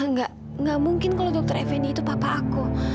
nggak nggak mungkin kalau dokter fnd itu papa aku